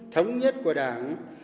thống nhất của đảng